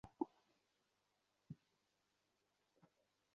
অনেকক্ষণ চিন্তা করিয়া আবার সে দুইবার তিনবার করিয়া পড়িল।